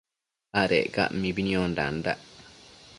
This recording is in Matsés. Adec ca mibi niondandac